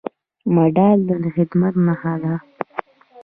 مډال د خدمت نښه ده